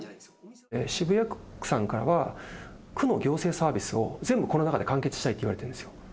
渋谷区さんからは、区の行政サービスを全部この中で完結したいといわれてるんですよ。